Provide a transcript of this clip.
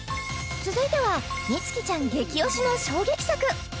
続いては美月ちゃん激推しの衝撃作！